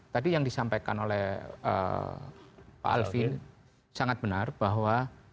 tadi yang disampaikan oleh pak alvin sangat benar bahwa